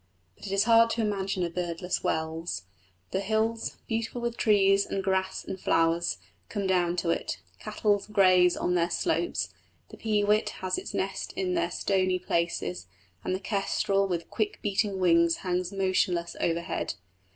But it is hard to imagine a birdless Wells. The hills, beautiful with trees and grass and flowers, come down to it; cattle graze on their slopes; the peewit has its nest in their stony places, and the kestrel with quick beating wings hangs motionless overhead.